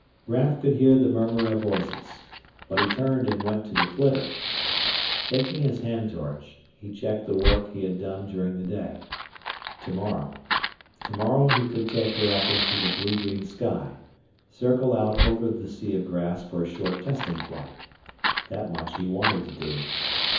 Raf could hear the murmur of voices. But he turned and went to the flitter. Taking his hand torch, he checked the work he had done during the day. To morrow tomorrow he could take her up into the blue green sky, circle out over the sea of grass for a short testing flight. That much he wanted to do.